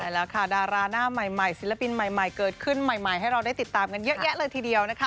แล้วค่ะดาราหน้าใหม่ศิลปินใหม่เกิดขึ้นใหม่ให้เราได้ติดตามกันเยอะแยะเลยทีเดียวนะคะ